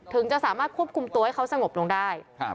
ถึงจะสามารถควบคุมตัวให้เขาสงบลงได้